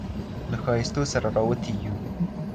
له ښايستو سره راوتي يـو